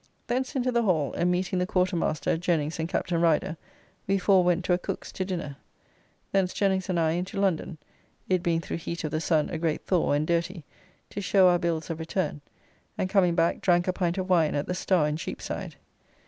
Thence into the Hall, and meeting the Quarter Master, Jenings, and Captain Rider, we four went to a cook's to dinner. Thence Jenings and I into London (it being through heat of the sun a great thaw and dirty) to show our bills of return, and coming back drank a pint of wine at the Star in Cheapside.